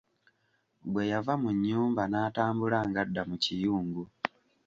Bwe yava mu nnyumba n'atambula ng'adda mu kiyungu.